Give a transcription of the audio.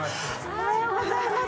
おはようございます。